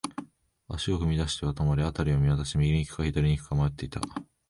足を踏み出しては止まり、辺りを見回し、右に行くか、左に行くか迷っていた。